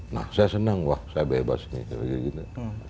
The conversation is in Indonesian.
nah saya senang wah saya bebas ini saya begini